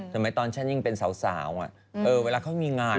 สมัยตอนฉันยิ่งเป็นสาวอะเวลาเค้ามีงาน